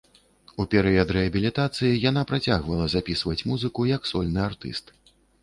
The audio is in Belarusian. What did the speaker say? У перыяд рэабілітацыі яна працягвала запісваць музыку як сольны артыст.